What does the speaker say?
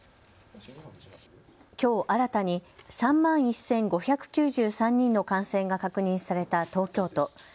きょう新たに３万１５９３人の感染が確認された東京都。